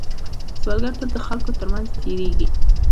سوالګر تل د خلکو تر منځ تېرېږي